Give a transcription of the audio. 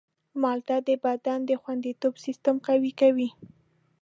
مالټه د بدن د خوندیتوب سیستم قوي کوي.